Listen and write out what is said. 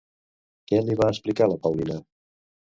Què li va explicar la Paulina?